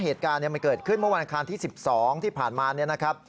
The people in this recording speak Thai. เหตุการณ์มันเกิดขึ้นเมื่อวันอันที่๑๒ที่ผ่านมา